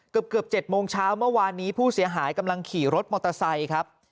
เกือบ๗โมงเช้าเมื่อวานนี้ผู้เสียหายกำลังขี่รถมอเตอร์ไซค์ครับ